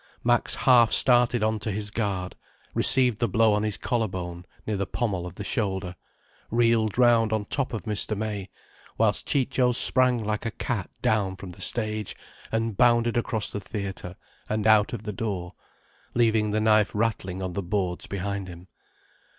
Max half started on to his guard, received the blow on his collar bone, near the pommel of the shoulder, reeled round on top of Mr. May, whilst Ciccio sprang like a cat down from the stage and bounded across the theatre and out of the door, leaving the knife rattling on the boards behind him.